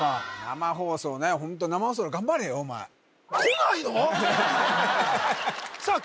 生放送ねホント生放送頑張れよお前さあ